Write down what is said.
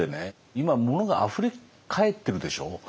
今物があふれかえってるでしょう？